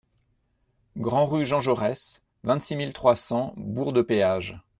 Grand'Rue Jean Jaurès, vingt-six mille trois cents Bourg-de-Péage